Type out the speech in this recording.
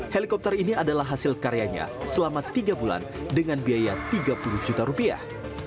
helikopter ini adalah hasil karyanya selama tiga bulan dengan biaya tiga puluh juta rupiah